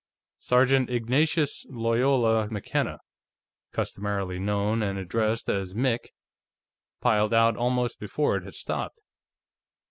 Sergeant Ignatius Loyola McKenna customarily known and addressed as Mick piled out almost before it had stopped.